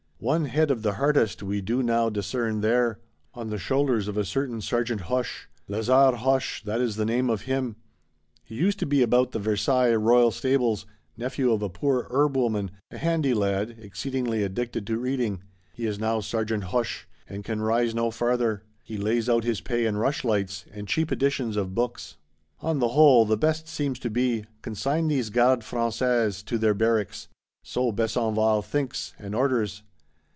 One head of the hardest we do now discern there: on the shoulders of a certain Sergeant Hoche. Lazare Hoche, that is the name of him; he used to be about the Versailles Royal Stables, nephew of a poor herbwoman; a handy lad; exceedingly addicted to reading. He is now Sergeant Hoche, and can rise no farther: he lays out his pay in rushlights, and cheap editions of books. On the whole, the best seems to be: Consign these Gardes Françaises to their Barracks. So Besenval thinks, and orders.